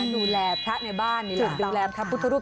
ดูแลพระในบ้านนี่แหละพระพุทธรูป